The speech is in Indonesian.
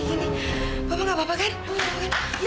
dia malah nangis